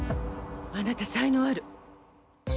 あなた、才能ある。